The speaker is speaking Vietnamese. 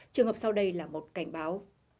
trường hợp sau đây là một cảnh báo